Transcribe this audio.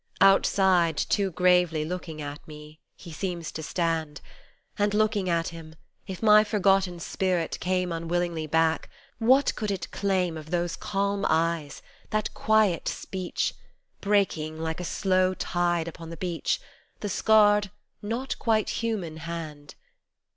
Outside, too gravely looking at me, He seems to stand, 45 And looking at Him, if my forgotten spirit came Unwillingly back, what could it claim Of those calm eyes, that quiet speech, Breaking like a slow tide upon the beach, The scarred, not quite human hand